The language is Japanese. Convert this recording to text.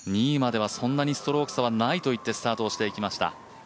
２位まではそんなにストローク差はないと言ってスタートしていきました。